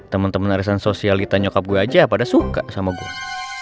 temen temen arisan sosialita nyokap gue aja pada suka sama gue